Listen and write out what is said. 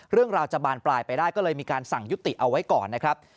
เรื่องราวจะบานปลายไปได้ก็เลยมีการสั่งยุติเอาไว้ก่อนนะครับ